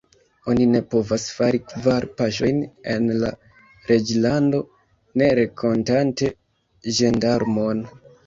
Oni ne povas fari kvar paŝojn en la reĝlando, ne renkontante ĝendarmon.